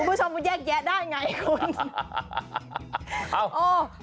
คุณผู้ชมมันแยกแยะได้ไงคุณ